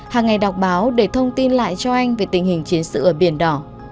hàng ngày đọc báo để thông tin lại cho anh về tình hình chiến sự ở biển đỏ